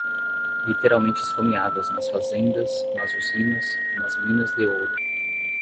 literalmente esfomeadas nas fazendas, nas usinas, nas minas de ouro